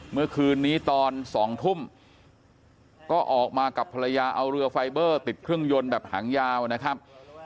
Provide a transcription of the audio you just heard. เมื่อคืนนี้ตอน๒ทุ่มก็ออกมากับภรรยาเอาเรือไฟเบอร์ติดเครื่องยนต์แบบหางยาวนะครับ